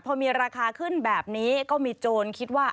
พอมีราคาขึ้นแบบนี้ก็มีโจรคิดว่า